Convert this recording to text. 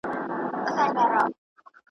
د خوښیو د مستیو ږغ له غرونو را غبرګیږي .